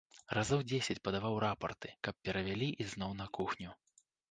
Разоў дзесяць падаваў рапарты, каб перавялі ізноў на кухню.